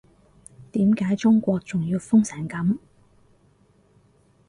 點解中國仲要封成噉